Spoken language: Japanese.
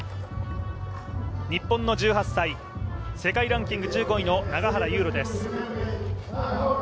日本の１８歳、世界ランキング１５位の永原悠路です。